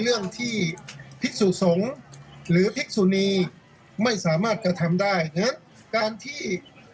เรื่องที่ภิกษุสงฆ์หรือภิกษุนีไม่สามารถกระทำได้ดังนั้นการที่